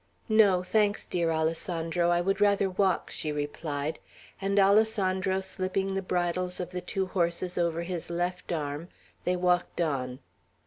"No, thanks, dear Alessandro, I would rather walk," she replied; and Alessandro slipping the bridles of the two horses over his left arm, they walked on.